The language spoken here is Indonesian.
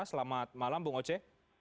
selamat malam bung oce